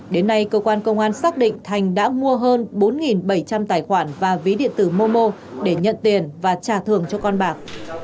đến nay cơ quan công an xác định thành đã mua hơn bốn bảy trăm linh tài khoản và ví điện tử momo để nhận tiền và trả thường cho con bạc